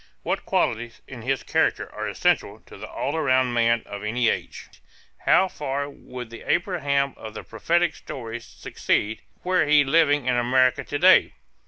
What qualities in his character are essential to the all around man of any age? How far would the Abraham of the prophetic stories succeed, were he living in America to day?